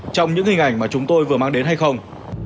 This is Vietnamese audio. trong những hình ảnh mà chúng tôi vừa mang đến hay không